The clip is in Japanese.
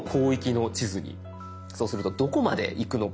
そうするとどこまでいくのか。